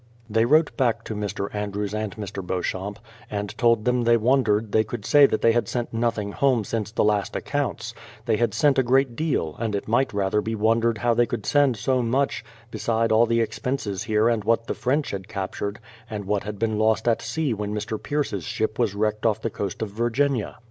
They wrote back to Mr. Andrews and Mr. Beauchamp, and told them they wondered they could say that they had sent nothing home since the last accounts; they had sent a great deal, and it might rather be wondered how they could send so much, beside all the expenses here and what the French had captured, and what had been lost at sea when Mr. Pierce's ship was wrecked off the coast of Virginia.